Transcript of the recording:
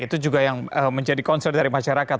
itu juga yang menjadi concern dari masyarakat